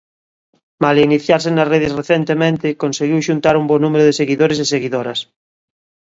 Malia iniciarse nas redes recentemente, conseguiu xuntar un bo número de seguidores e seguidoras.